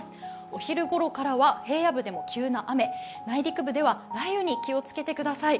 お昼ごろからは平野部でも急な雨、内陸部では雷雨に気をつけてください。